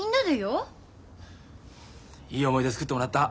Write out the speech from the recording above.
いい思い出作ってもらった。